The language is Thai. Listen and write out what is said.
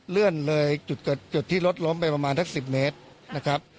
เลื่อนเลยจุดที่รถล้มไปประมาณสัก๑๐เมตรนะครับ